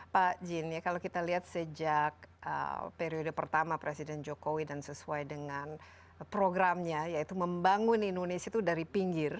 pak jin ya kalau kita lihat sejak periode pertama presiden jokowi dan sesuai dengan programnya yaitu membangun indonesia itu dari pinggir